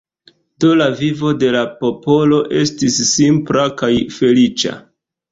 Do la vivo de la popolo estis simpla kaj feliĉa.